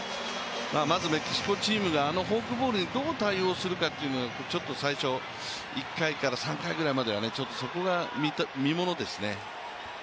まずメキシコチームがあのフォークボールにどう対応するか、ちょっと最初、１回から３回くらいまではそこが見ものですね。